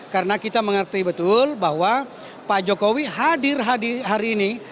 karena kita mengerti betul bahwa pak jokowi hadir hari ini